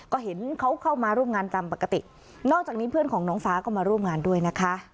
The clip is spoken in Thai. ก็เห็นเขาเข้ามาร่วมงานตามปกตินอกจากนี้เพื่อนของน้องฟ้าก็มาร่วมงานด้วยนะคะ